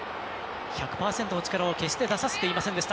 １００％の力を決して出させていませんでした。